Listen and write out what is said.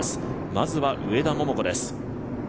まずは上田桃子です。